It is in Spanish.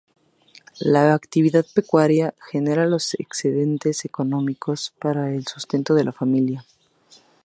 La actividad pecuaria genera los excedentes económicos para el sustento de la familia.